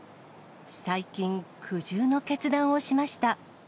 最近、苦渋の決断をしました。